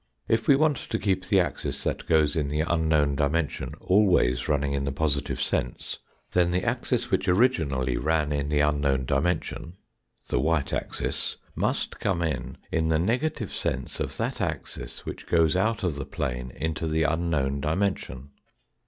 If we want to keep the axis that goes in the unknown dimension always running in the positive sense, then the axis which originally ran in the unknown 10 146 THE FOURTH DIMENSION dimension (the white axis) must come in in the negative sense of that axis which goes out of the plane into the unknown dimension.